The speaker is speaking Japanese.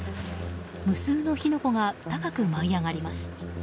無数の火の粉が高く舞い上がります。